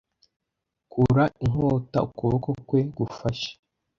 kura inkota ukuboko kwe gufashe